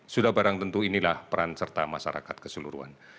sudah barang tentu inilah peran serta masyarakat keseluruhan